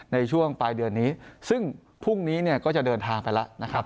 ในช่วงปลายเดือนนี้ซึ่งพรุ่งนี้เนี่ยก็จะเดินทางไปแล้วนะครับ